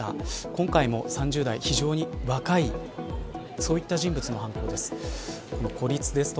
今回も３０代非常に若いそういった人物の犯行です。